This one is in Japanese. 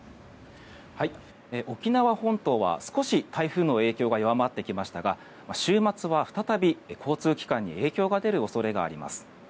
沖縄本島は、少し台風の影響が弱まってきましたが週末は再び、交通機関に影響が出る恐れがあります。